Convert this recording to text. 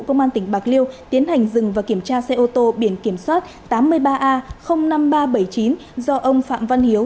công an tỉnh bạc liêu tiến hành dừng và kiểm tra xe ô tô biển kiểm soát tám mươi ba a năm nghìn ba trăm bảy mươi chín do ông phạm văn hiếu